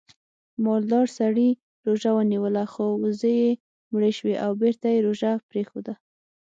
مالدار سړي روژه ونیوله خو وزې یې مړې شوې او بېرته یې روژه پرېښوده